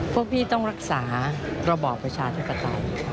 พวกพี่ต้องรักษาระบอบประชาธิปไตย